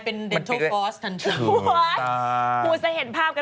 ไปช่วงหน้าเดี๋ยวกับผู้ชมค่ะ